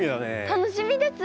楽しみです。